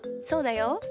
そうだよ。